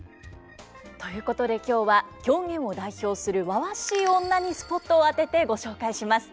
ということで今日は狂言を代表するわわしい女にスポットを当ててご紹介します。